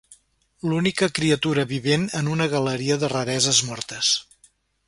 L'única criatura vivent en una galeria de rareses mortes.